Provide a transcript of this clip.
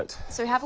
そう。